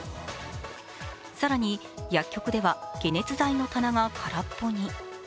更に薬局では解熱剤の棚が空っぽに。